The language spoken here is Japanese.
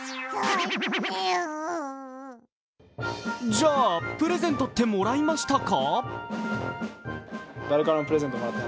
じゃあ、プレゼントってもらいましたか？